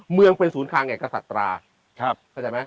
เมืองเป็นศูนย์กลางแห่งกษัตริย์ครับเข้าใจมั้ย